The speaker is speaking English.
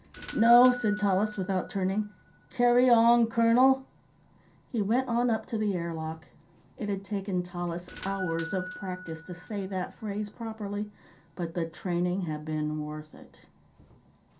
"No," said Tallis, without turning. "Carry on, colonel." He went on up to the air lock. It had taken Tallis hours of practice to say that phrase properly, but the training had been worth it.